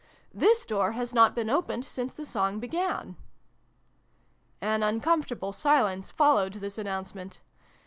" This door has not been opened since the song began !" An uncomfortable silence followed this an nouncement.